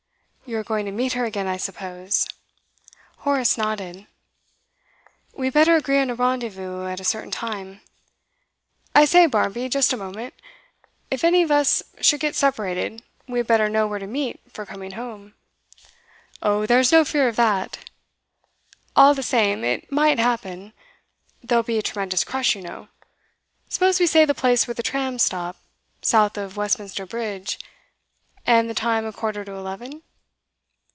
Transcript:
'You are going to meet her again, I suppose?' Horace nodded. 'We had better agree on a rendezvous at a certain time. I say, Barmby, just a moment; if any of us should get separated, we had better know where to meet, for coming home.' 'Oh, there's no fear of that.' 'All the same, it might happen. There'll be a tremendous crush, you know. Suppose we say the place where the trams stop, south of Westminster Bridge, and the time a quarter to eleven?